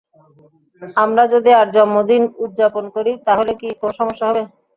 আমরা যদি আজ জন্মদিন উপযাপন করি, তাহলে কি কোন সমস্যা হবে?